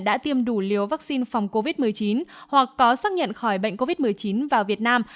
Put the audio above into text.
đã tiêm đủ liều vaccine phòng covid một mươi chín hoặc có xác nhận khỏi bệnh covid một mươi chín vào việt nam